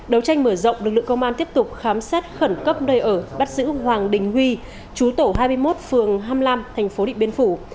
đấu tranh mở rộng lực lượng công an tiếp tục khám xét khẩn cấp nơi ở bắt giữ hoàng đình huy chú tổ hai mươi một phường hai mươi năm thành phố điện biên phủ